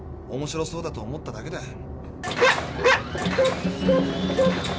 おもしろそうだと思っただけだ。